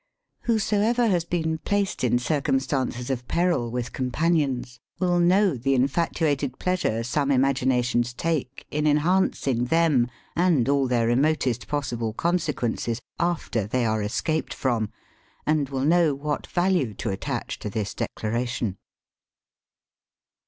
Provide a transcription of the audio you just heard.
Whosoever has been placed in circumstances of peril, with com panions, will know the infatuated plea sure some imaginations take in enhancing them and all their remotest possible con sequences, after they are escaped from, and will know what value to attach to this de claration.